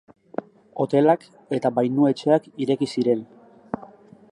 Hotelak eta bainuetxeak ireki ziren.